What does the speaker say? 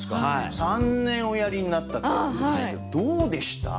３年おやりになったっていうことですけどどうでした？